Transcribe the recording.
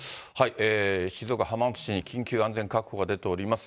静岡・浜松市に緊急安全確保が出ております。